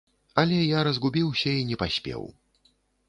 Але я разгубіўся і не паспеў.